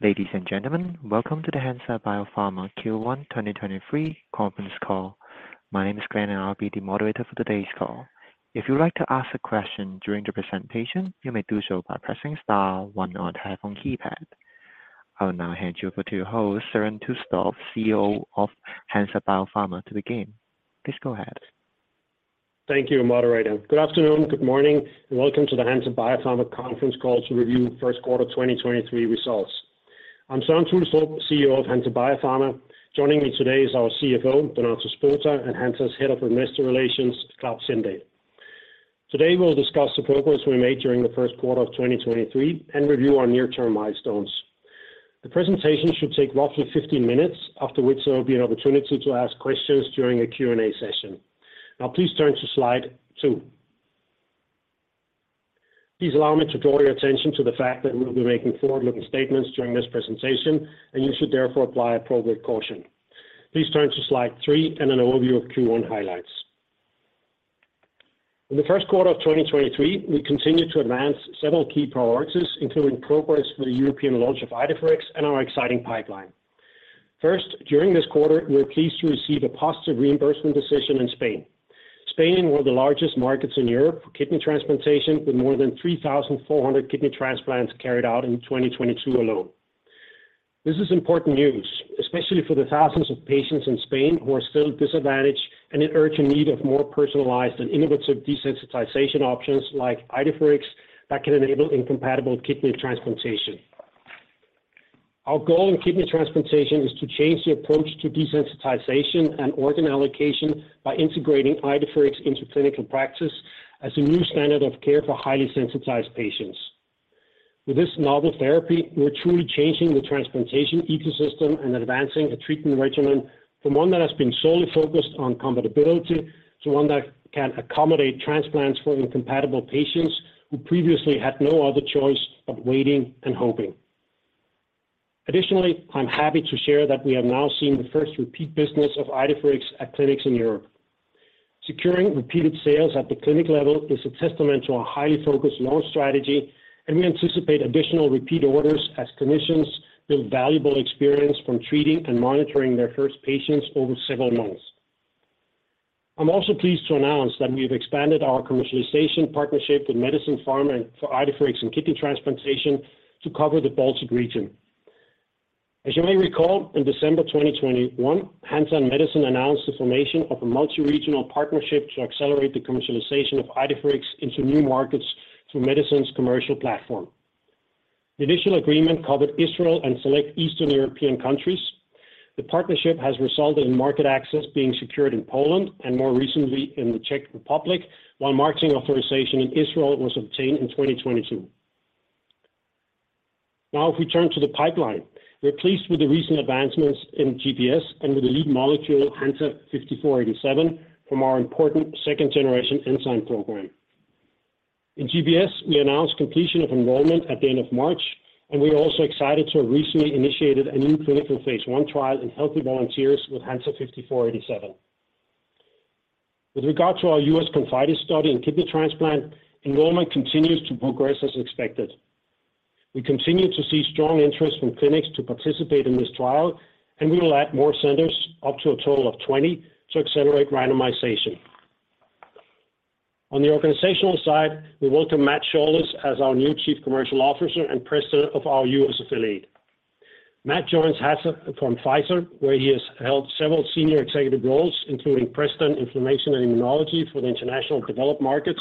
Ladies and gentlemen, welcome to the Hansa Biopharma Q1 2023 conference call. My name is Glenn, and I'll be the moderator for today's call. If you'd like to ask a question during the presentation, you may do so by pressing star one on your telephone keypad. I will now hand you over to your host, Søren Tulstrup, CEO of Hansa Biopharma, to begin. Please go ahead. Thank you, moderator. Good afternoon, good morning, and welcome to the Hansa Biopharma conference call to review first quarter 2023 results. I'm Søren Tulstrup, CEO of Hansa Biopharma. Joining me today is our CFO, Donato Spota, and Hansa's Head of Investor Relations, Klaus Sindahl. Today, we'll discuss the progress we made during the first quarter of 2023 and review our near-term milestones. The presentation should take roughly 15 minutes, after which there will be an opportunity to ask questions during a Q&A session. Now, please turn to slide two. Please allow me to draw your attention to the fact that we'll be making forward-looking statements during this presentation, and you should therefore apply appropriate caution. Please turn to slide three and an overview of Q1 highlights. In the first quarter of 2023, we continued to advance several key priorities, including progress for the European launch of Idefirix and our exciting pipeline. First, during this quarter, we were pleased to receive a positive reimbursement decision in Spain. Spain, one of the largest markets in Europe for kidney transplantation, with more than 3,400 kidney transplants carried out in 2022 alone. This is important news, especially for the thousands of patients in Spain who are still disadvantaged and in urgent need of more personalized and innovative desensitization options like Idefirix that can enable incompatible kidney transplantation. Our goal in kidney transplantation is to change the approach to desensitization and organ allocation by integrating Idefirix into clinical practice as a new standard of care for highly sensitized patients. With this novel therapy, we're truly changing the transplantation ecosystem and advancing a treatment regimen from one that has been solely focused on compatibility to one that can accommodate transplants for incompatible patients who previously had no other choice of waiting and hoping. I'm happy to share that we have now seen the first repeat business of Idefirix at clinics in Europe. Securing repeated sales at the clinic level is a testament to our highly focused launch strategy, and we anticipate additional repeat orders as clinicians build valuable experience from treating and monitoring their first patients over several months. I'm also pleased to announce that we've expanded our commercialization partnership with Medison Pharma for Idefirix and kidney transplantation to cover the Baltic region. As you may recall, in December 2021, Medison Pharma announced the formation of a multi-regional partnership to accelerate the commercialization of Idefirix into new markets through Medison's commercial platform. The initial agreement covered Israel and select Eastern European countries. The partnership has resulted in market access being secured in Poland and more recently in the Czech Republic, while marketing authorization in Israel was obtained in 2022. Now, if we turn to the pipeline, we're pleased with the recent advancements in GBS and with the lead molecule HNSA-5487 from our important second-generation enzyme program. In GBS, we announced completion of enrollment at the end of March, and we are also excited to have recently initiated a new clinical phase 1 trial in healthy volunteers with HNSA-5487. With regard to our US ConfIdeS study in kidney transplant, enrollment continues to progress as expected. We continue to see strong interest from clinics to participate in this trial. We will add more centers, up to a total of 20, to accelerate randomization. On the organizational side, we welcome Matthew Shaulis as our new Chief Commercial Officer and President of our US affiliate. Matt joins Hansa from Pfizer, where he has held several senior executive roles, including President Inflammation and Immunology for the International Developed Markets,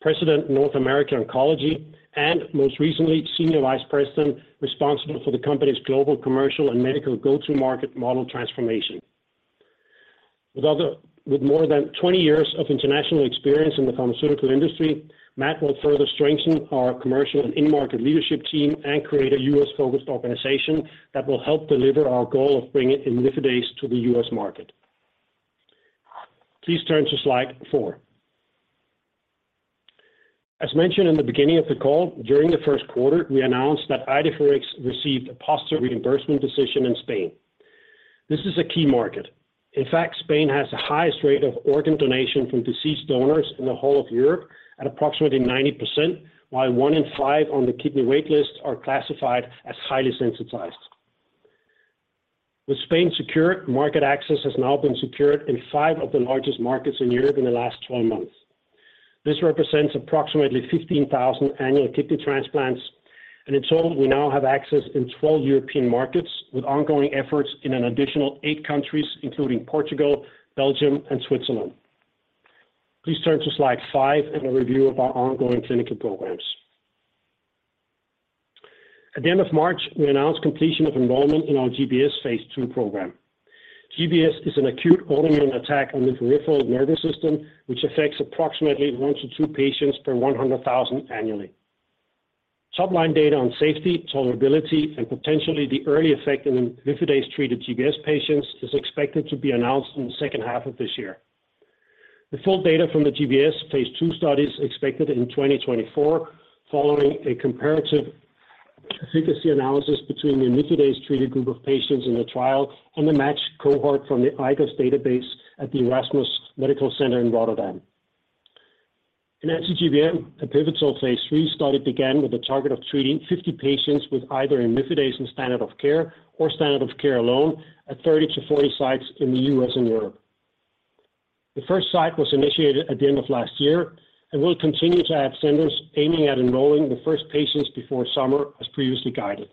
President North America Oncology, and most recently, Senior Vice President responsible for the company's global commercial and medical go-to-market model transformation. With more than 20 years of international experience in the pharmaceutical industry, Matt will further strengthen our commercial and in-market leadership team and create a US-focused organization that will help deliver our goal of bringing imlifidase to the US market. Please turn to slide four. As mentioned in the beginning of the call, during the first quarter, we announced that Idefirix received a positive reimbursement decision in Spain. This is a key market. In fact, Spain has the highest rate of organ donation from deceased donors in the whole of Europe at approximately 90%, while one in five on the kidney wait list are classified as highly sensitized. With Spain secure, market access has now been secured in five of the largest markets in Europe in the last 12 months. This represents approximately 15,000 annual kidney transplants. In total, we now have access in 12 European markets with ongoing efforts in an additional eight countries, including Portugal, Belgium, and Switzerland. Please turn to slide five and a review of our ongoing clinical programs. At the end of March, we announced completion of enrollment in our GBS Phase II program. GBS is an acute autoimmune attack on the peripheral nervous system, which affects approximately one to two patients per 100,000 annually. Top-line data on safety, tolerability, and potentially the early effect in imlifidase-treated GBS patients is expected to be announced in the second half of this year. The full data from the GBS Phase II study is expected in 2024 following a comparative efficacy analysis between the imlifidase-treated group of patients in the trial and a matched cohort from the IGOS database at the Erasmus Medical Center in Rotterdam. In anti-GBM, a pivotal phase III study began with a target of treating 50 patients with either imlifidase and standard of care or standard of care alone at 30 to 40 sites in the US and Europe. The first site was initiated at the end of last year and will continue to add centers aiming at enrolling the first patients before summer as previously guided.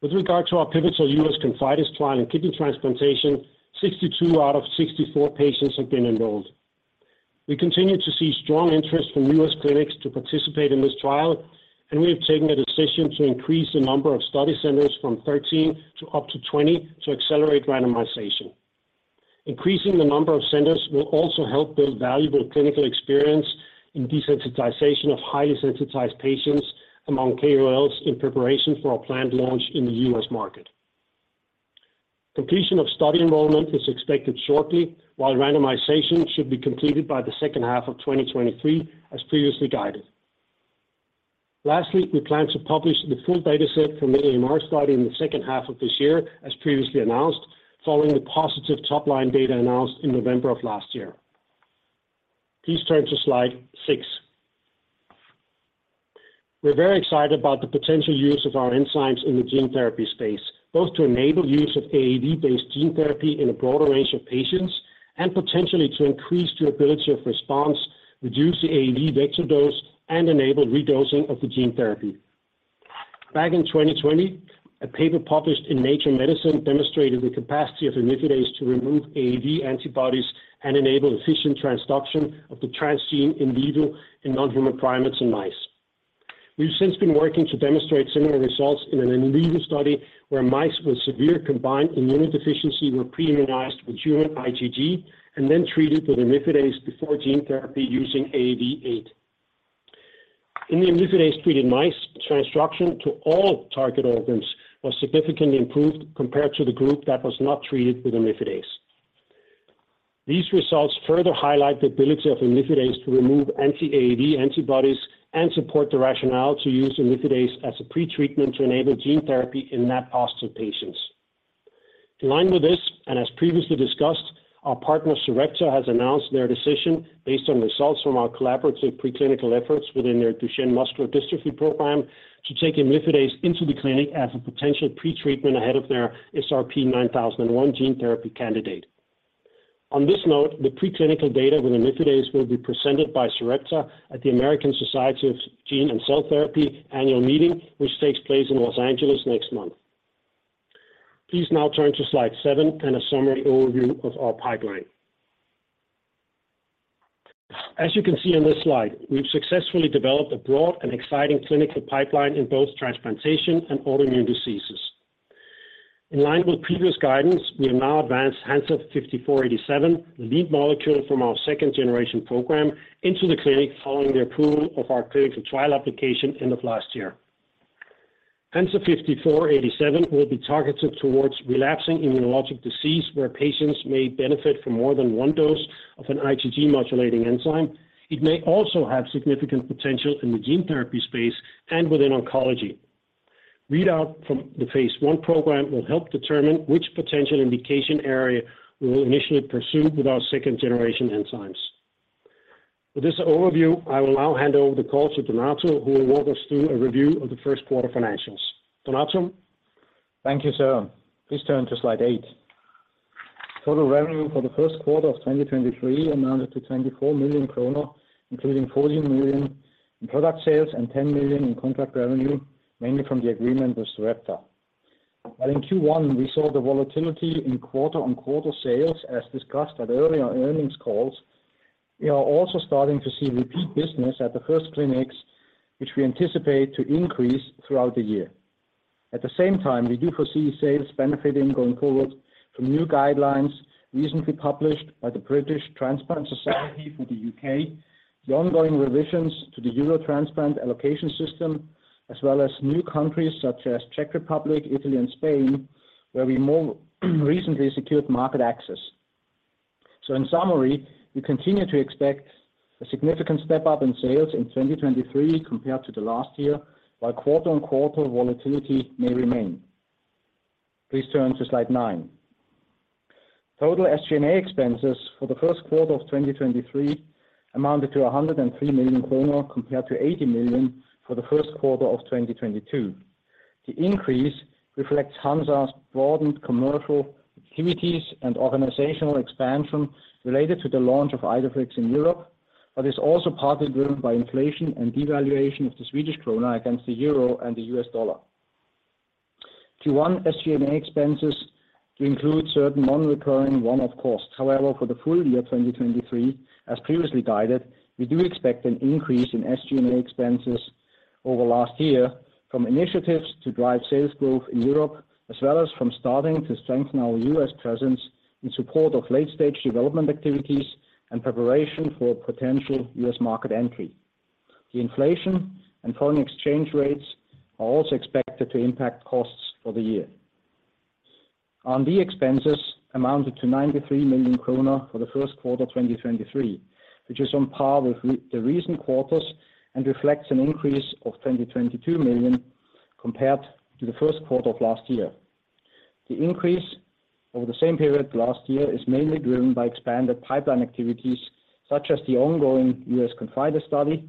With regard to our pivotal US ConfIdeS trial in kidney transplantation, 62 out of 64 patients have been enrolled. We continue to see strong interest from US clinics to participate in this trial, and we have taken a decision to increase the number of study centers from 13 to up to 20 to accelerate randomization. Increasing the number of centers will also help build valuable clinical experience in desensitization of highly sensitized patients among KOLs in preparation for our planned launch in the US market. Completion of study enrollment is expected shortly while randomization should be completed by the second half of 2023 as previously guided. Lastly, we plan to publish the full data set for the AMR study in the second half of this year as previously announced following the positive top-line data announced in November of last year. Please turn to slide six. We're very excited about the potential use of our enzymes in the gene therapy space, both to enable use of AAV-based gene therapy in a broader range of patients and potentially to increase durability of response, reduce the AAV vector dose, and enable redosing of the gene therapy. Back in 2020, a paper published in Nature Medicine demonstrated the capacity of imlifidase to remove AAV antibodies and enable efficient transduction of the transgene in vivo in non-human primates and mice. We've since been working to demonstrate similar results in an in vivo study where mice with severe combined immunodeficiency were pre-immunized with human IgG and then treated with imlifidase before gene therapy using AAV8. In the imlifidase-treated mice, transduction to all target organs was significantly improved compared to the group that was not treated with imlifidase. These results further highlight the ability of imlifidase to remove anti-AAV antibodies and support the rationale to use imlifidase as a pretreatment to enable gene therapy in that class of patients. In line with this, and as previously discussed, our partner Sarepta has announced their decision based on results from our collaborative preclinical efforts within their Duchenne muscular dystrophy program to take imlifidase into the clinic as a potential pretreatment ahead of their SRP-9001 gene therapy candidate. On this note, the preclinical data with imlifidase will be presented by Sarepta at the American Society of Gene & Cell Therapy annual meeting, which takes place in Los Angeles next month. Please now turn to slide seven and a summary overview of our pipeline. As you can see on this slide, we've successfully developed a broad and exciting clinical pipeline in both transplantation and autoimmune diseases. In line with previous guidance, we have now advanced HNSA-5487, the lead molecule from our second-generation program, into the clinic following the approval of our clinical trial application end of last year. HNSA-5487 will be targeted towards relapsing immunologic disease where patients may benefit from more than one dose of an IgG-modulating enzyme. It may also have significant potential in the gene therapy space and within oncology. Readout from the phase I program will help determine which potential indication area we will initially pursue with our second-generation enzymes. With this overview, I will now hand over the call to Donato, who will walk us through a review of the first quarter financials. Donato. Thank you, Søren. Please turn to slide 8. Total revenue for the first quarter of 2023 amounted to 24 million kronor, including 14 million in product sales and 10 million in contract revenue, mainly from the agreement with Sarepta. While in Q1 we saw the volatility in quarter-on-quarter sales as discussed at earlier earnings calls, we are also starting to see repeat business at the first clinics, which we anticipate to increase throughout the year. At the same time, we do foresee sales benefiting going forward from new guidelines recently published by the British Transplantation Society for the UK, the ongoing revisions to the Eurotransplant allocation system, as well as new countries such as Czech Republic, Italy, and Spain, where we more recently secured market access. In summary, we continue to expect a significant step-up in sales in 2023 compared to the last year, while quarter-on-quarter volatility may remain. Please turn to slide nine. Total SG&A expenses for the first quarter of 2023 amounted to 103 million kronor compared to 80 million for the first quarter of 2022. The increase reflects Hansa's broadened commercial activities and organizational expansion related to the launch of Idefirix in Europe, but is also partly driven by inflation and devaluation of the Swedish krona against the euro and the US dollar. Q1 SG&A expenses include certain non-recurring one-off costs. For the full year 2023, as previously guided, we do expect an increase in SG&A expenses over last year from initiatives to drive sales growth in Europe, as well as from starting to strengthen our US presence in support of late-stage development activities and preparation for potential US market entry. The inflation and foreign exchange rates are also expected to impact costs for the year. R&D expenses amounted to 93 million kronor for the first quarter 2023, which is on par with the recent quarters and reflects an increase of 22 million compared to the first quarter of last year. The increase over the same period last year is mainly driven by expanded pipeline activities, such as the ongoing US ConfIdeS study,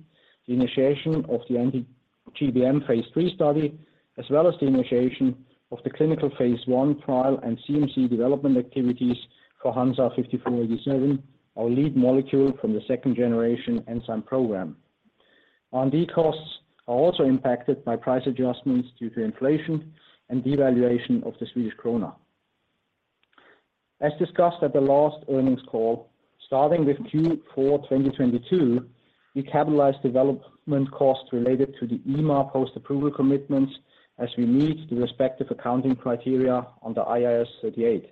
the initiation of the anti-GBM phase III study, as well as the initiation of the clinical phase I trial and CMC development activities for HNSA-5487, our lead molecule from the second generation enzyme program. R&D costs are also impacted by price adjustments due to inflation and devaluation of the Swedish krona. As discussed at the last earnings call, starting with Q4 2022, we capitalized development costs related to the EMA post-approval commitments as we meet the respective accounting criteria on the IAS 38.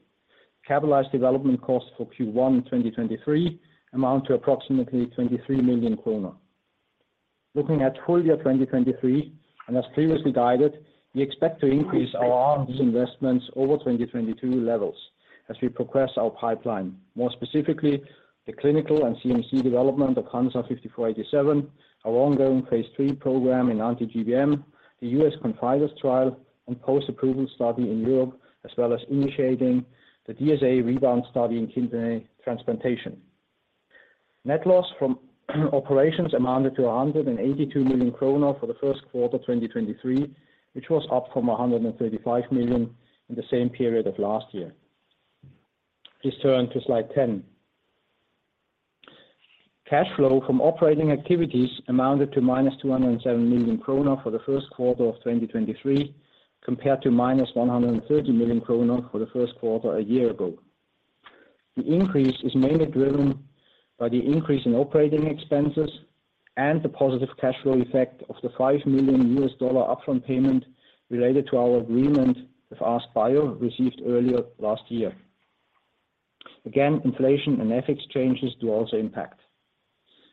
Capitalized development costs for Q1 2023 amount to approximately 23 million kronor. Looking at full year 2023, and as previously guided, we expect to increase our R&D investments over 2022 levels as we progress our pipeline. More specifically, the clinical and CMC development of HNSA-5487, our ongoing Phase III program in anti-GBM, the US ConfIdeS trial and post-approval study in Europe, as well as initiating the DSA rebound study in kidney transplantation. Net loss from operations amounted to 182 million kronor for the first quarter 2023, which was up from 135 million in the same period of last year. Please turn to slide 10. Cash flow from operating activities amounted to minus 207 million kronor for Q1 2023, compared to minus 130 million kronor for Q1 a year ago. The increase is mainly driven by the increase in operating expenses and the positive cash flow effect of the $5 million upfront payment related to our agreement with AskBio received earlier last year. Inflation and FX changes do also impact.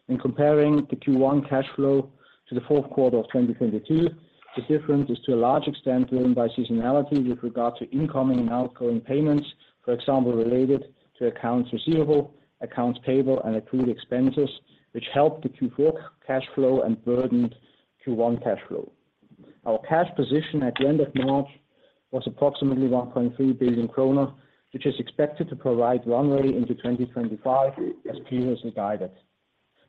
In comparing the Q1 cash flow to Q4 2022, the difference is to a large extent driven by seasonality with regard to incoming and outgoing payments, for example, related to accounts receivable, accounts payable and accrued expenses, which helped the Q4 cash flow and burdened Q1 cash flow. Our cash position at the end of March was approximately 1.3 billion kronor, which is expected to provide runway into 2025 as previously guided.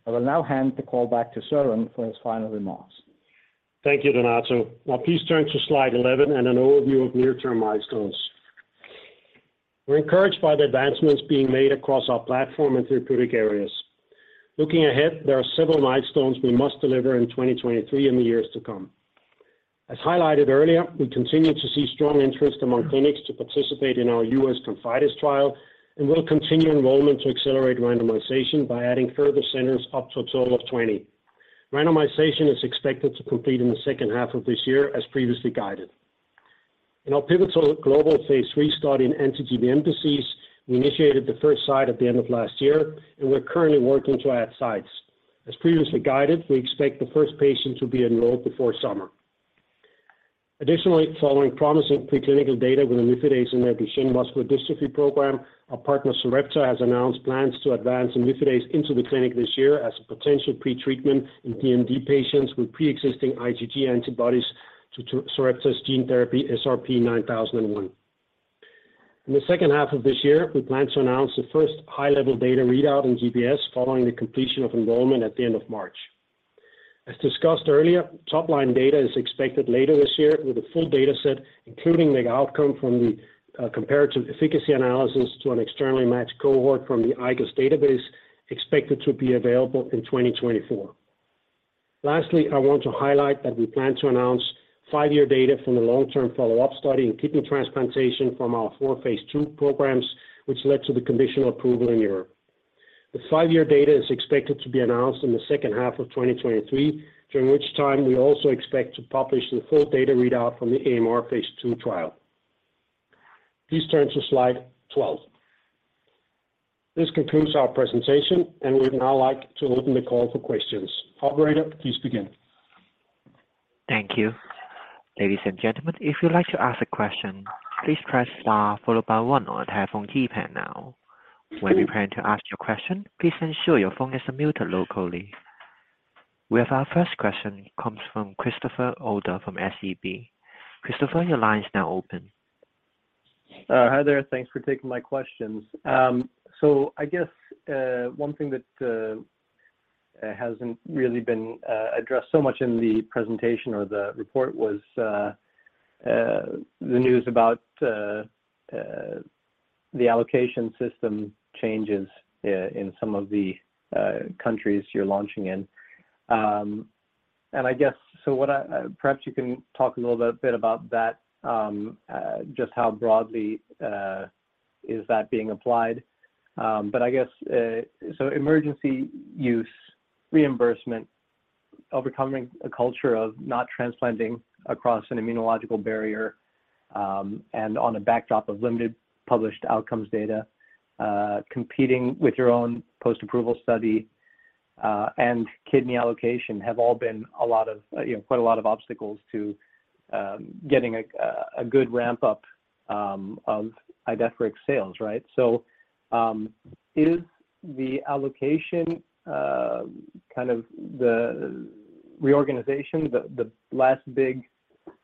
I will now hand the call back to Søren for his final remarks. Thank you, Donato. Please turn to slide 11 and an overview of near-term milestones. We're encouraged by the advancements being made across our platform and therapeutic areas. Looking ahead, there are several milestones we must deliver in 2023 and the years to come. As highlighted earlier, we continue to see strong interest among clinics to participate in our US ConfIdeS trial, and we'll continue enrollment to accelerate randomization by adding further centers up to a total of 20. Randomization is expected to complete in the second half of this year, as previously guided. In our pivotal global Phase III study in anti-GBM disease, we initiated the first site at the end of last year, and we're currently working to add sites. As previously guided, we expect the first patient to be enrolled before summer. Additionally, following promising preclinical data with imlifidase in their Duchenne muscular dystrophy program, our partner Sarepta has announced plans to advance imlifidase into the clinic this year as a potential pretreatment in DMD patients with pre-existing IgG antibodies to Sarepta's gene therapy SRP-9001. In the second half of this year, we plan to announce the first high-level data readout in GBS following the completion of enrollment at the end of March. As discussed earlier, top-line data is expected later this year with a full data set, including the outcome from the comparative efficacy analysis to an externally matched cohort from the IGOS database expected to be available in 2024. Lastly, I want to highlight that we plan to announce five-year data from the long-term follow-up study in kidney transplantation from our four phase II programs, which led to the conditional approval in Europe. The 5-year data is expected to be announced in the second half of 2023, during which time we also expect to publish the full data readout from the AMR phase II trial. Please turn to slide 12. This concludes our presentation, and we'd now like to open the call for questions. Operator, please begin. Thank you. Ladies and gentlemen, if you'd like to ask a question, please press star followed by 1 on your telephone keypad now. When preparing to ask your question, please ensure your phone is unmuted locally. We have our first question comes from Christopher Nicholson from SEB. Christopher, your line is now open. Hi there. Thanks for taking my questions. I guess, one thing that hasn't really been addressed so much in the presentation or the report was the news about the allocation system changes in some of the countries you're launching in. I guess, what I... Perhaps you can talk a little bit about that, just how broadly is that being applied? I guess, emergency use reimbursement, overcoming a culture of not transplanting across an immunological barrier, and on a backdrop of limited published outcomes data, competing with your own post-approval study, and kidney allocation have all been a lot of, you know, quite a lot of obstacles to getting a good ramp-up of Idefirix sales, right? Is the allocation kind of the reorganization, the last big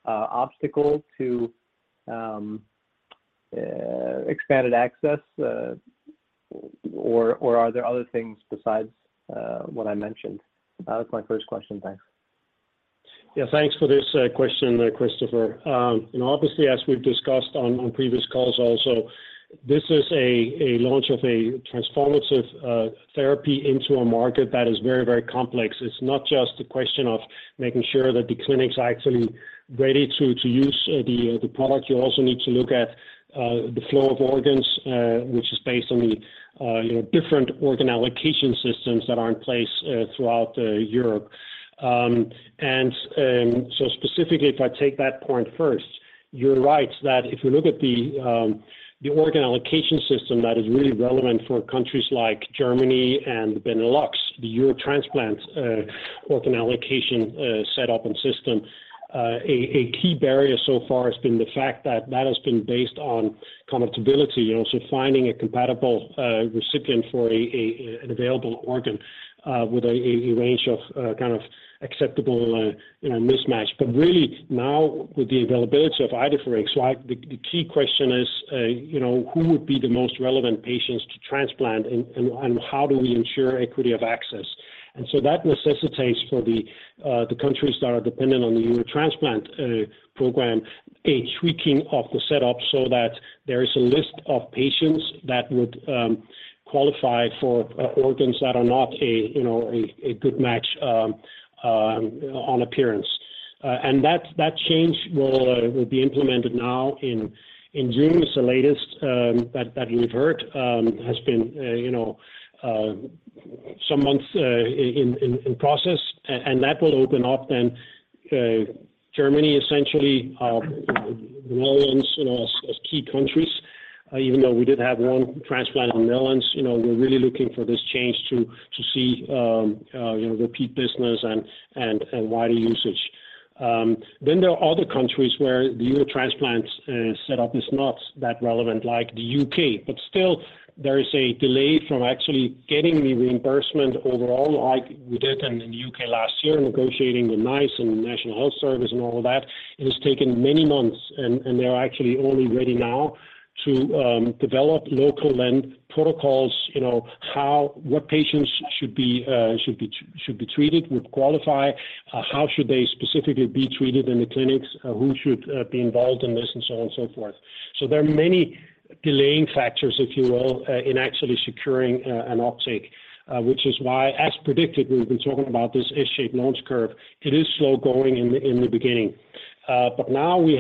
obstacle to expanded access or are there other things besides what I mentioned? That was my first question. Thanks. Yeah. Thanks for this question there, Christopher. You know, obviously, as we've discussed on previous calls also, this is a launch of a transformative therapy into a market that is very, very complex. It's not just a question of making sure that the clinics are actually ready to use the product. You also need to look at the flow of organs, which is based on the, you know, different organ allocation systems that are in place throughout Europe. Specifically, if I take that point first, you're right that if you look at the organ allocation system that is really relevant for countries like Germany and Benelux, the Eurotransplant organ allocation setup and system, a key barrier so far has been the fact that that has been based on compatibility and also finding a compatible recipient for an available organ with a range of kind of acceptable, you know, mismatch. Really now with the availability of Idefirix, the key question is, you know, who would be the most relevant patients to transplant and how do we ensure equity of access? That necessitates for the countries that are dependent on the Eurotransplant program, a tweaking of the setup so that there is a list of patients that would qualify for organs that are not a, you know, a good match on appearance. That, that change will be implemented now in June is the latest that we've heard has been, you know, some months in process. That will open up then Germany essentially, the Netherlands, you know, as key countries. Even though we did have one transplant in the Netherlands, you know, we're really looking for this change to see, you know, repeat business and wider usage. There are other countries where the Eurotransplant setup is not that relevant, like the UK. Still there is a delay from actually getting the reimbursement overall like we did in the UK. last year, negotiating with NICE and the National Health Service and all that. It has taken many months, and they're actually only ready now to develop local lend protocols, you know, what patients should be treated, would qualify, how should they specifically be treated in the clinics, who should be involved in this and so on and so forth. There are many delaying factors, if you will, in actually securing an uptake, which is why, as predicted, we've been talking about this S-shaped launch curve. It is slow-going in the beginning. Now we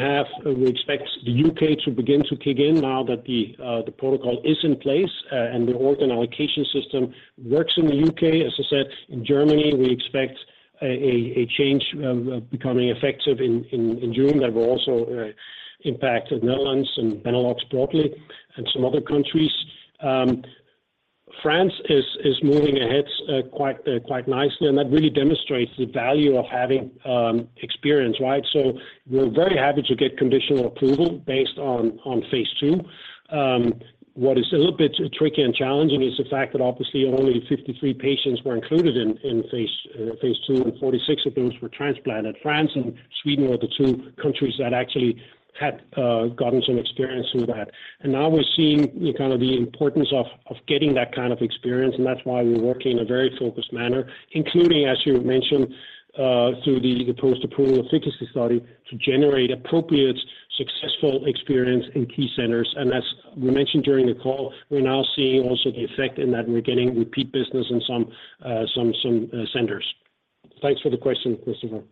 expect the UK to begin to kick in now that the protocol is in place and the organ allocation system works in the UK. As I said, in Germany, we expect a change of becoming effective in June that will also impact the Netherlands and Benelux broadly and some other countries. France is moving ahead quite nicely, and that really demonstrates the value of having experience, right? We're very happy to get conditional approval based on phase II. What is a little bit tricky and challenging is the fact that obviously only 53 patients were included in phase II, and 46 of those were transplanted. France and Sweden were the two countries that actually had gotten some experience through that. Now we're seeing the kind of the importance of getting that kind of experience, and that's why we're working in a very focused manner, including, as you mentioned, through the post-approval efficacy study to generate appropriate successful experience in key centers. As we mentioned during the call, we're now seeing also the effect in that we're getting repeat business in some centers. Thanks for the question, Christopher.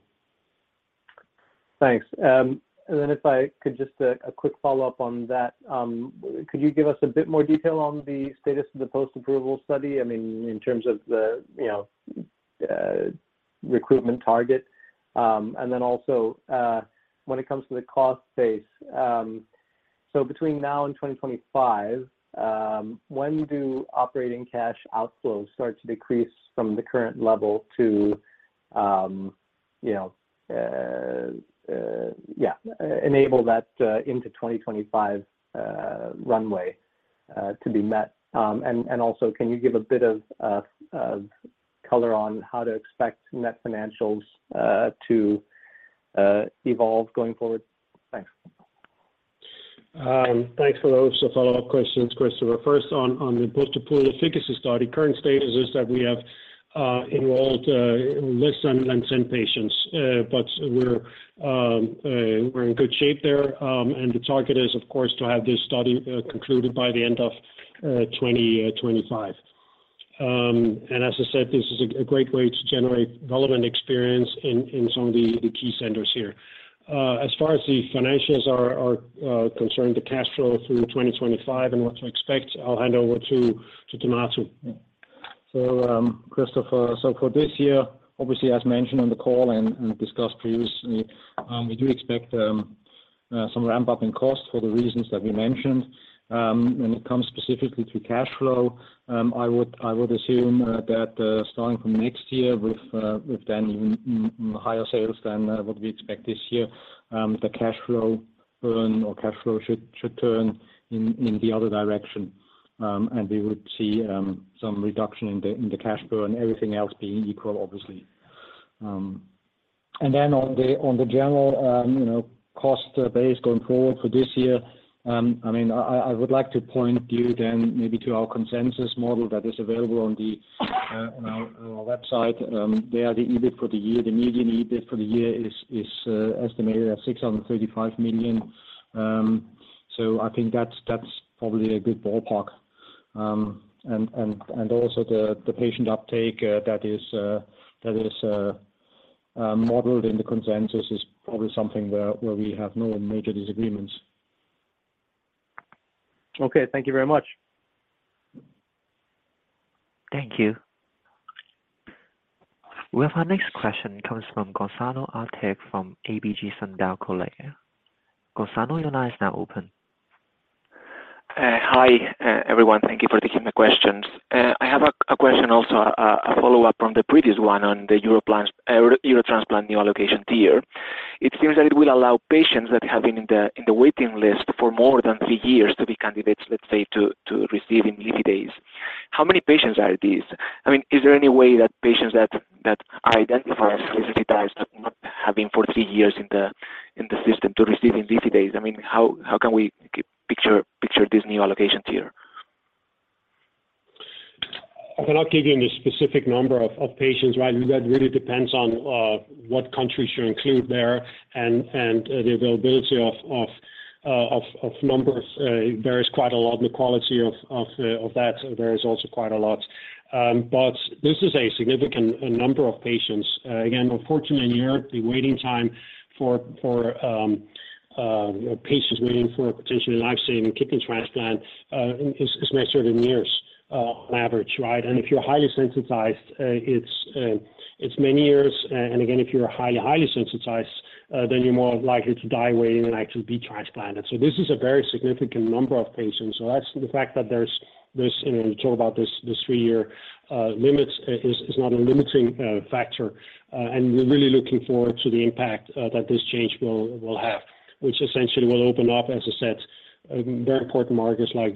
Thanks. If I could just a quick follow-up on that. Could you give us a bit more detail on the status of the post-approval study? I mean, in terms of the, you know, recruitment target. Also, when it comes to the cost base, so between now and 2025, when do operating cash outflows start to decrease from the current level to, you know, enable that into 2025 runway to be met? Also, can you give a bit of color on how to expect net financials to evolve going forward? Thanks. Thanks for those follow-up questions, Christopher. First, on the post-approval efficacy study, current status is that we have enrolled less than 10 patients. We're in good shape there. The target is, of course, to have this study concluded by the end of 2025. As I said, this is a great way to generate relevant experience in some of the key centers here. As far as the financials are concerned, the cash flow through 2025 and what to expect, I'll hand over to Donato Spota. Christopher, so for this year, obviously, as mentioned on the call and discussed previously, we do expect some ramp-up in costs for the reasons that we mentioned. When it comes specifically to cash flow, I would assume that starting from next year with then even higher sales than what we expect this year, the cash flow earn or cash flow should turn in the other direction. We would see some reduction in the cash burn, everything else being equal, obviously. Then on the general, you know, cost base going forward for this year, I mean, I would like to point you then maybe to our consensus model that is available on our website. There, the EBIT for the year, the median EBIT for the year is estimated at 635 million. I think that's probably a good ballpark. Also the patient uptake that is modeled in the consensus is probably something where we have no major disagreements. Okay. Thank you very much. Thank you. We have our next question comes from Gonzalo de Arteaga from ABG Sundal Collier. Gonzalo, your line is now open. Hi, everyone. Thank you for taking the questions. I have a question also, a follow-up from the previous one on the Eurotransplant new allocation tier. It seems that it will allow patients that have been in the waiting list for more than three years to be candidates, let's say, to receive imlifidase. How many patients are these? I mean, is there any way that patients that are identified as sensitized not having for three years in the system to receive imlifidase? I mean, how can we picture this new allocation tier? I cannot give you the specific number of patients, right. That really depends on what countries you include there and the availability of numbers varies quite a lot and the quality of that varies also quite a lot. But this is a significant number of patients. Again, unfortunately in Europe, the waiting time for patients waiting for a potential life-saving kidney transplant is measured in years on average, right. If you're highly sensitized, it's many years. Again, if you're highly sensitized, then you're more likely to die waiting than actually be transplanted. This is a very significant number of patients. That's the fact that there's this, you know, we talk about this three-year limit is not a limiting factor. We're really looking forward to the impact that this change will have, which essentially will open up, as I said, very important markets like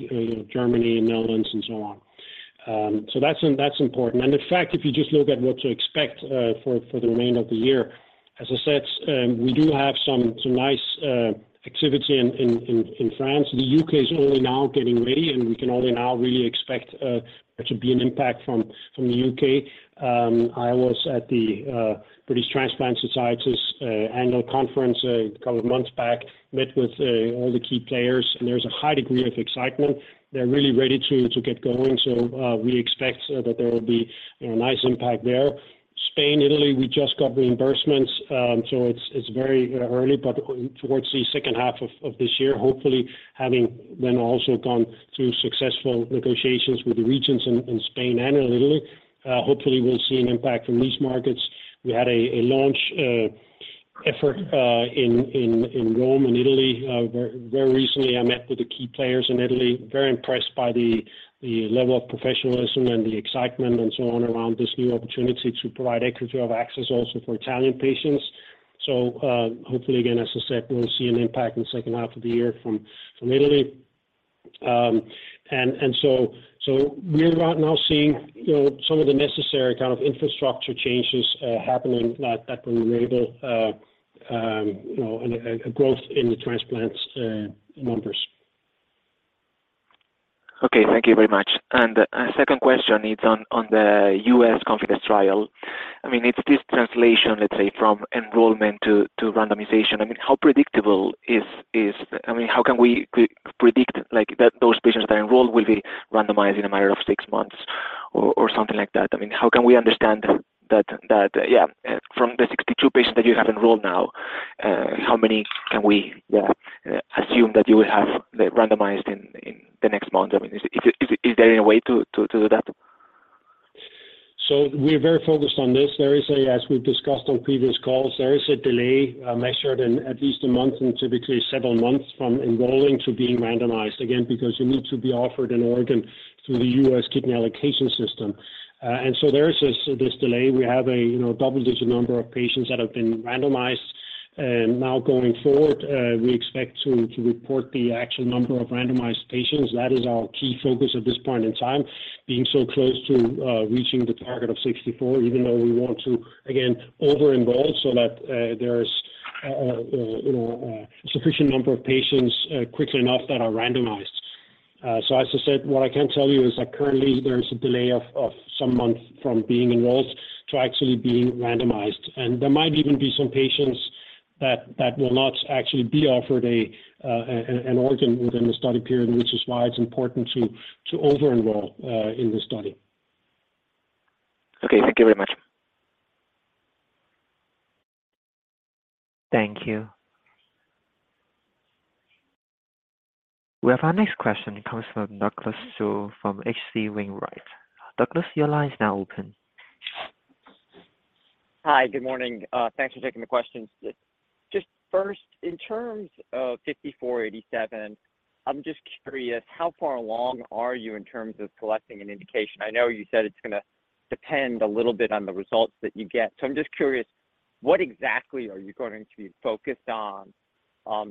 Germany and Netherlands and so on. That's important. In fact, if you just look at what to expect for the remainder of the year, as I said, we do have some nice activity in France. The UK is only now getting ready, and we can only now really expect there to be an impact from the UK. I was at the British Transplantation Society's annual conference a couple of months back, met with all the key players, there's a high degree of excitement. They're really ready to get going. We expect that there will be a nice impact there. Spain, Italy, we just got reimbursements. It's very, you know, early, but towards the second half of this year, hopefully having then also gone through successful negotiations with the regions in Spain and in Italy, hopefully we'll see an impact from these markets. We had a launch effort in Rome in Italy. Very recently, I met with the key players in Italy. Very impressed by the level of professionalism and the excitement and so on around this new opportunity to provide equity of access also for Italian patients. Hopefully, again, as I said, we'll see an impact in the second half of the year from Italy. We're right now seeing, you know, some of the necessary kind of infrastructure changes happening that will enable, you know, a growth in the transplants numbers. Okay. Thank you very much. A second question is on the US ConfIdeS trial. I mean, it's this translation, let's say, from enrollment to randomization. I mean, how predictable is, I mean, how can we pre-predict like that those patients that enroll will be randomized in a matter of six months or something like that? I mean, how can we understand that, yeah, from the 62 patients that you have enrolled now, how many can we, assume that you will have randomized in the next month? I mean, is there any way to do that? We're very focused on this. There is a, as we've discussed on previous calls, there is a delay, measured in at least a month and typically several months from enrolling to being randomized, again, because you need to be offered an organ through the US Kidney Allocation System. There is this delay. We have a, you know, double-digit number of patients that have been randomized. Now going forward, we expect to report the actual number of randomized patients. That is our key focus at this point in time, being so close to reaching the target of 64, even though we want to again over-enroll so that there's, you know, a sufficient number of patients quickly enough that are randomized. As I said, what I can tell you is that currently there's a delay of some month from being enrolled to actually being randomized. There might even be some patients that will not actually be offered an organ within the study period, which is why it's important to over-enroll in the study. Okay. Thank you very much. Thank you. We have our next question comes from Douglas Tsao from H.C. Wainwright & Co. Douglas, your line is now open. Hi. Good morning. Thanks for taking the questions. Just first, in terms of 5487, I'm just curious, how far along are you in terms of collecting an indication? I know you said it's gonna depend a little bit on the results that you get. I'm just curious, what exactly are you going to be focused on?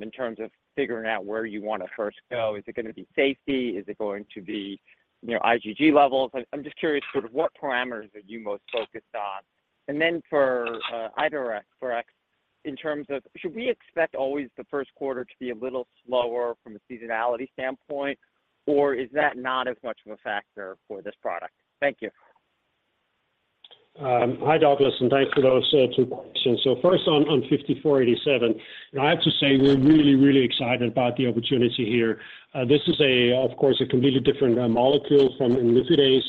In terms of figuring out where you want to first go, is it going to be safety? Is it going to be, you know, IgG levels? I'm just curious sort of what parameters are you most focused on. Then for Idefirix, for X, in terms of should we expect always the first quarter to be a little slower from a seasonality standpoint, or is that not as much of a factor for this product? Thank you. Hi Douglas, thanks for those two questions. First on HNSA-5487. You know, I have to say we're really excited about the opportunity here. This is a, of course, a completely different molecule from imlifidase.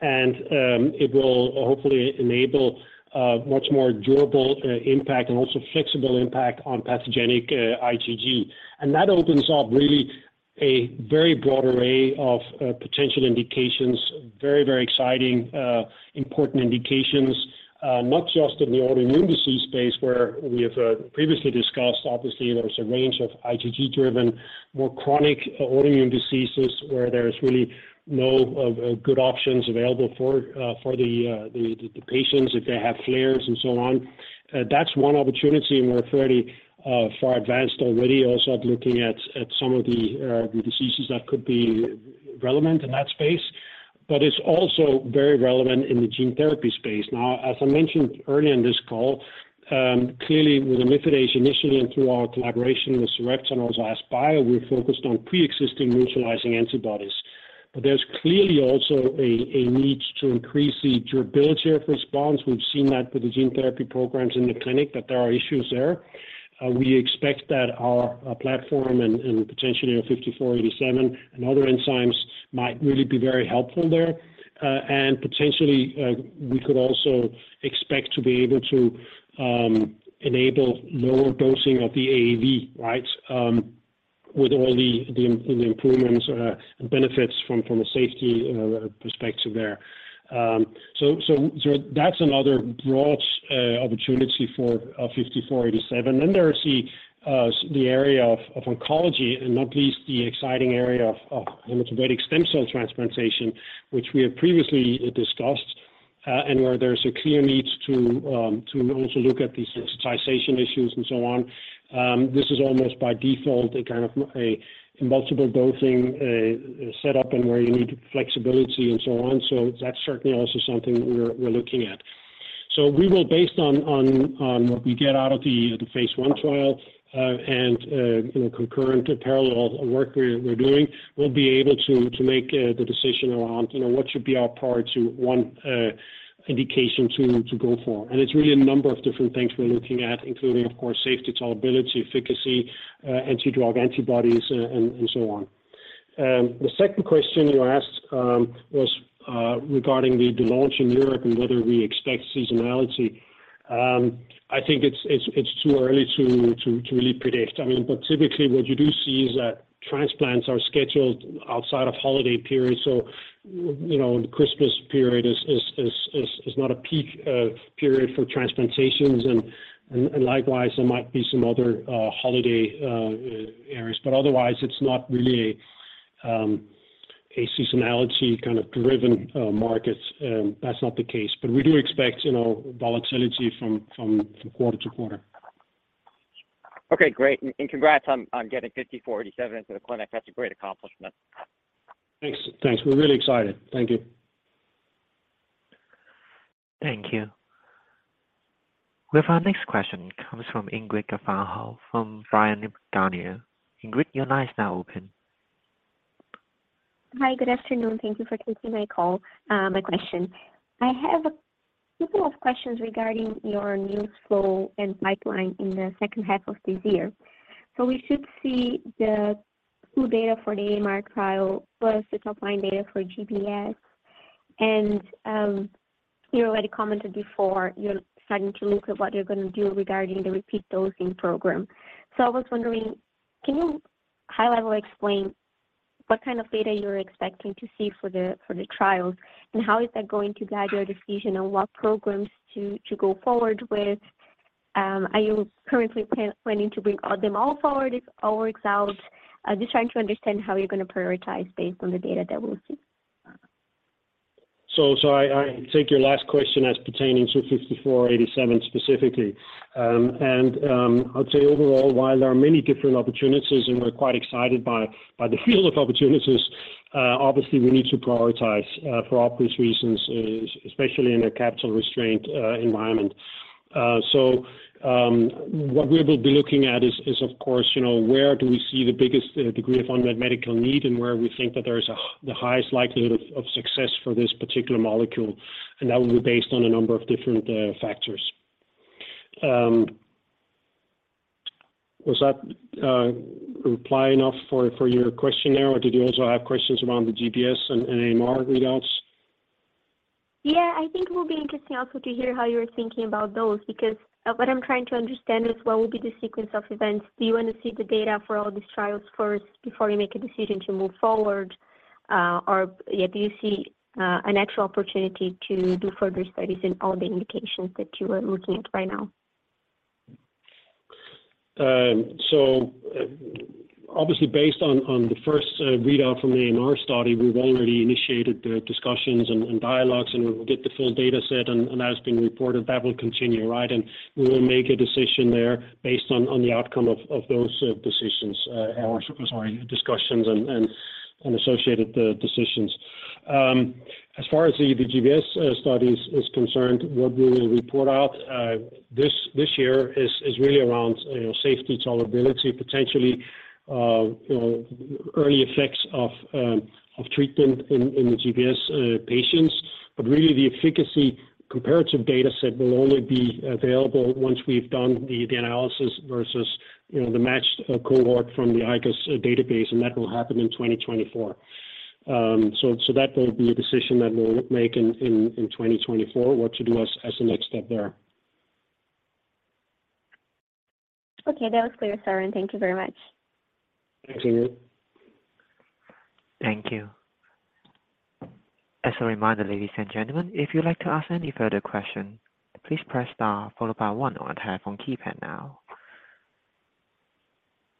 It will hopefully enable a much more durable impact and also flexible impact on pathogenic IgG. That opens up really a very broad array of potential indications. Very exciting, important indications, not just in the autoimmune disease space, where we have previously discussed. Obviously, there's a range of IgG-driven, more chronic autoimmune diseases where there's really no good options available for the patients if they have flares and so on. That's one opportunity, and we're fairly far advanced already also at looking at some of the diseases that could be relevant in that space. It's also very relevant in the gene therapy space. Now, as I mentioned earlier in this call, clearly with imlifidase initially and through our collaboration with Sarepta and AskBio, we're focused on preexisting neutralizing antibodies. There's clearly also a need to increase the durability of response. We've seen that with the gene therapy programs in the clinic that there are issues there. We expect that our platform and potentially our 5487 and other enzymes might really be very helpful there. And potentially we could also expect to be able to enable lower dosing of the AAV, right? With all the improvements and benefits from a safety perspective there. So that's another broad opportunity for HNSA-5487. There is the area of oncology and not least the exciting area of hematopoietic stem cell transplantation, which we have previously discussed, and where there's a clear need to also look at these desensitization issues and so on. This is almost by default a kind of a multiple dosing setup and where you need flexibility and so on. That's certainly also something we're looking at. We will based on what we get out of the phase 1 trial, and, you know, concurrent and parallel work we're doing, we'll be able to make the decision around, you know, what should be our priority 1 indication to go for. It's really a number of different things we're looking at, including, of course, safety, tolerability, efficacy, anti-drug antibodies, and so on. The second question you asked was regarding the launch in Europe and whether we expect seasonality. I think it's too early to really predict. I mean, but typically what you do see is that transplants are scheduled outside of holiday periods. You know, the Christmas period is not a peak period for transplantations. Likewise, there might be some other holiday areas, but otherwise it's not really a seasonality kind of driven market. That's not the case. We do expect, you know, volatility from quarter to quarter. Okay, great. Congrats on getting HNSA-5487 into the clinic. That's a great accomplishment. Thanks. Thanks. We're really excited. Thank you. Thank you. With our next question comes from Ingrid Gafanhão from Bryan, Garnier & Co. Ingrid, your line is now open. Hi. Good afternoon. Thank you for taking my call, my question. I have a couple of questions regarding your new flow and pipeline in the second half of this year. We should see the flu data for the AMR trial plus the top-line data for IGOS. You already commented before you're starting to look at what you're going to do regarding the repeat dosing program. I was wondering, can you high-level explain what kind of data you're expecting to see for the, for the trials and how is that going to guide your decision on what programs to go forward with? Are you currently planning to bring all them all forward if all works out? Just trying to understand how you're going to prioritize based on the data that we'll see. I take your last question as pertaining to 5487 specifically. I'd say overall, while there are many different opportunities and we're quite excited by the field of opportunities, obviously we need to prioritize for obvious reasons, especially in a capital-restraint environment. What we will be looking at is of course, you know, where do we see the biggest degree of unmet medical need and where we think that there is the highest likelihood of success for this particular molecule. That will be based on a number of different factors. Was that reply enough for your question there, or did you also have questions around the IGOS and AMR readouts? Yeah, I think it will be interesting also to hear how you're thinking about those because what I'm trying to understand is what will be the sequence of events. Do you want to see the data for all these trials first before you make a decision to move forward? Or, yeah, do you see an actual opportunity to do further studies in all the indications that you are looking at right now? Obviously based on the first readout from the AMR study, we've already initiated the discussions and dialogues, and we'll get the full data set, and as being reported, that will continue, right? We will make a decision there based on the outcome of those decisions, or sorry, discussions and associated decisions. As far as the GBS study is concerned, what we will report out this year is really around, you know, safety tolerability, potentially, you know, early effects of treatment in the GBS patients. Really the efficacy comparative data set will only be available once we've done the analysis versus, you know, the matched cohort from the IGOS database, and that will happen in 2024. That will be a decision that we'll make in 2024, what to do as the next step there. Okay. That was clear, Søren. Thank you very much. Thanks, Ingrid. Thank you. As a reminder, ladies and gentlemen, if you'd like to ask any further question, please press star followed by one on your telephone keypad now.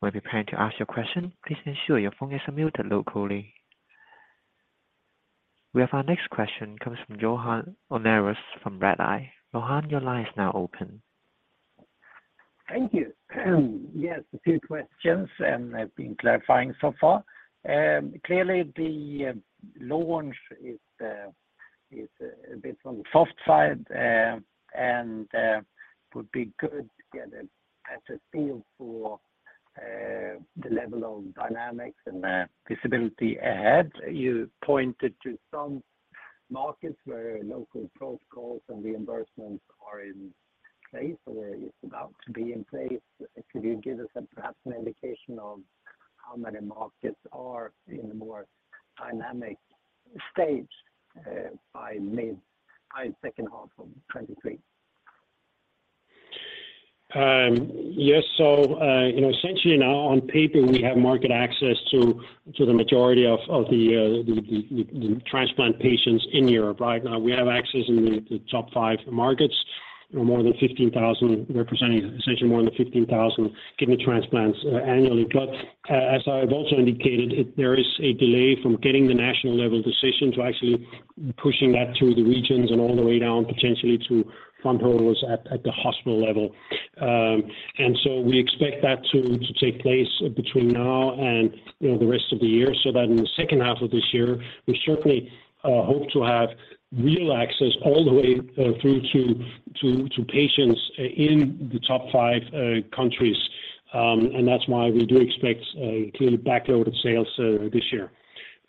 When preparing to ask your question, please ensure your phone is on muted locally. We have our next question comes from Johan Unnerus from Redeye. Johan, your line is now open. Thank you. Yes, a few questions, and I've been clarifying so far. Clearly the launch is a bit on the soft side, and would be good to get a feel for the level of dynamics and visibility ahead. You pointed to some markets where local protocols and reimbursements are in place or is about to be in place. Could you give us perhaps an indication of how many markets are in a more dynamic stage by second half of 2023? Yes. You know, essentially now on paper, we have market access to the majority of the transplant patients in Europe, right? Now we have access in the top five markets. You know, more than 15,000 representing essentially more than 15,000 kidney transplants annually. As I've also indicated, there is a delay from getting the national level decision to actually pushing that through the regions and all the way down potentially to fund holders at the hospital level. We expect that to take place between now and, you know, the rest of the year, so that in the second half of this year, we certainly hope to have real access all the way through to patients in the top five countries. That's why we do expect a clear backlog of sales this year.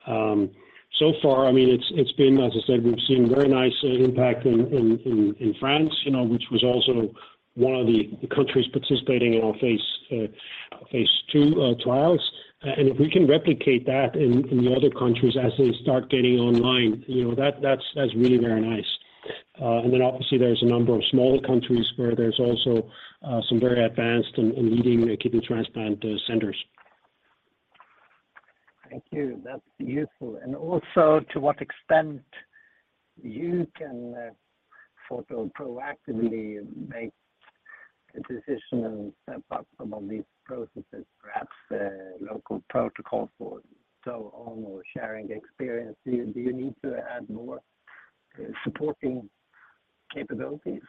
So far, I mean, it's been, as I said, we've seen very nice impact in France, you know, which was also one of the countries participating in our phase two trials. If we can replicate that in the other countries as they start getting online, you know, that's really very nice. Obviously there's a number of smaller countries where there's also some very advanced and leading kidney transplant centers. Thank you. That's useful. Also, to what extent you can proactively make a decision and step up among these processes, perhaps, local protocol for so on or sharing experience. Do you need to add more supporting capabilities?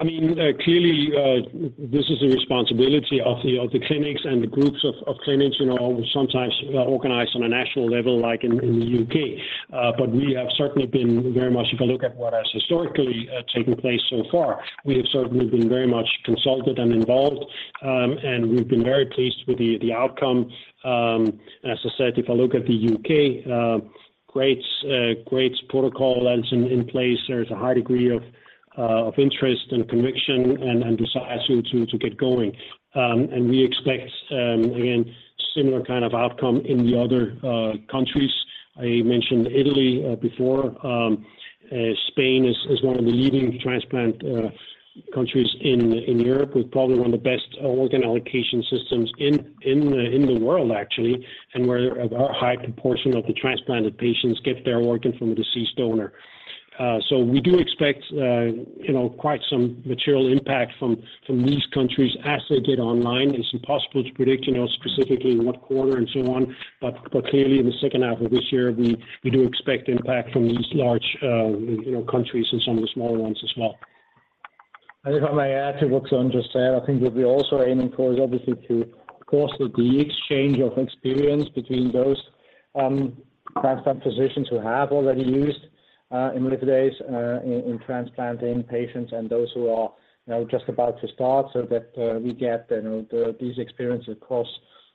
I mean, clearly, this is the responsibility of the clinics and the groups of clinics, you know, sometimes organized on a national level like in the UK. We have certainly been very much... If you look at what has historically taken place so far, we have certainly been very much consulted and involved, and we've been very pleased with the outcome. As I said, if I look at the UK, great protocol that's in place. There's a high degree of interest and conviction and desire to get going. We expect, again, similar kind of outcome in the other countries. I mentioned Italy before. Spain is one of the leading transplant countries in Europe, with probably one of the best organ allocation systems in the world actually, and where a high proportion of the transplanted patients get their organ from a deceased donor. We do expect, you know, quite some material impact from these countries as they get online. It's impossible to predict, you know, specifically in what quarter and so on, but clearly in the second half of this year, we do expect impact from these large, you know, countries and some of the smaller ones as well. If I may add to what Søren just said, I think what we're also aiming for is obviously to, of course, with the exchange of experience between those transplant physicians who have already used imlifidase in transplanting patients and those who are, you know, just about to start so that we get, you know, these experience across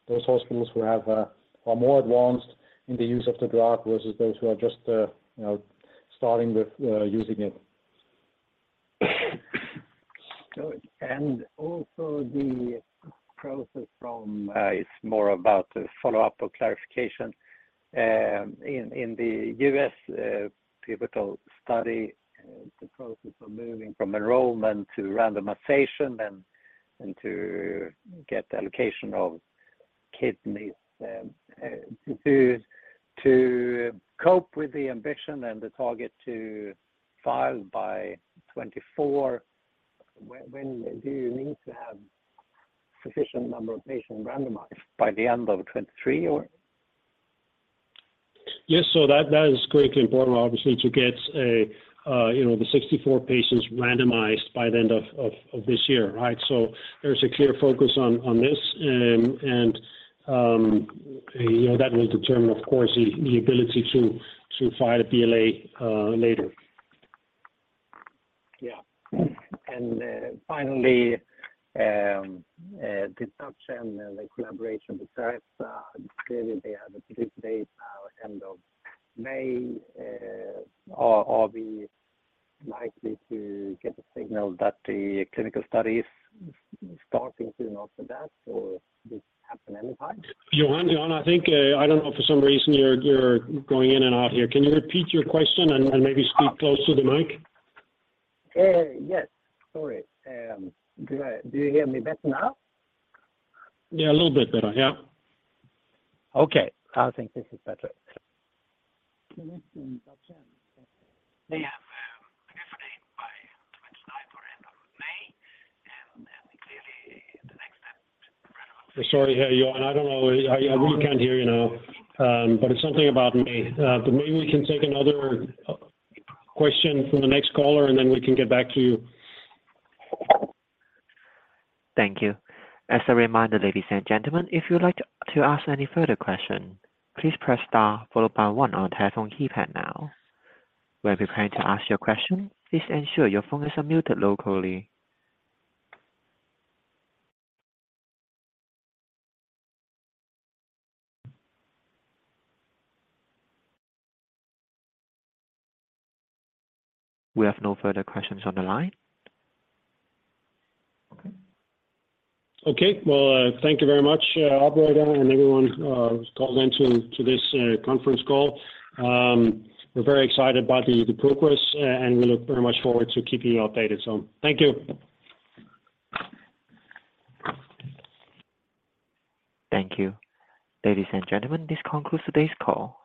those hospitals who have are more advanced in the use of the drug versus those who are just, you know, starting with using it. Good. Also the process from, it's more about a follow-up or clarification. In the US pivotal study, the process of moving from enrollment to randomization and to get allocation of kidneys, to cope with the ambition and the target to file by 2024. When do you need to have sufficient number of patients randomized? By the end of 2023 or? That is critically important, obviously, to get a, you know, the 64 patients randomized by the end of this year, right? There's a clear focus on this and, you know, that will determine, of course, the ability to file a BLA later. Yeah. Finally, the sub 10, the collaboration with Sarepta, clearly they have a due date now end of May. Are we likely to get a signal that the clinical study is starting soon after that or this happen anytime? Johan, I think, I don't know if for some reason you're going in and out here. Can you repeat your question and maybe speak close to the mic? Yes. Sorry. Do you hear me better now? Yeah, a little bit better. Yeah. Okay. I think this is better. They have a definite date by 29th or end of May. Clearly the next step. Sorry. Hey, Johan. I don't know. I really can't hear you now, but it's something about May. Maybe we can take another question from the next caller, and then we can get back to you. Thank you. As a reminder, ladies and gentlemen, if you would like to ask any further question, please press star followed by one on your telephone keypad now. When preparing to ask your question, please ensure your phones are muted locally. We have no further questions on the line. Okay. Okay. Well, thank you very much, operator, and everyone, who's called into this conference call. We're very excited about the progress, and we look very much forward to keeping you updated. Thank you. Thank you. Ladies and gentlemen, this concludes today's call.